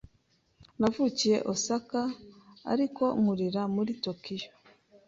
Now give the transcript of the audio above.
Navukiye Osaka, ariko nkurira muri Tokiyo.